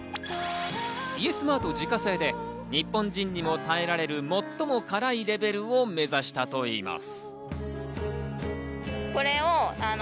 Ｙｅｓｍａｒｔ自家製で日本人にも耐えられる最も辛いレベルを目指したといいます。